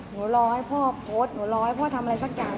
รอให้พ่อโพสต์หนูรอให้พ่อทำอะไรสักอย่าง